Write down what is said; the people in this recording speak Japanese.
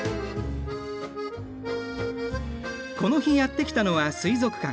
この日やって来たのは水族館。